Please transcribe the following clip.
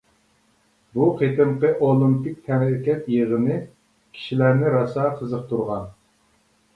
بۇ قېتىمقى ئولىمپىك تەنھەرىكەت يىغىنى كىشىلەرنى راسا قىزىقتۇرغان.